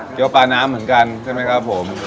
ปลาน้ำเหมือนกันใช่ไหมครับผม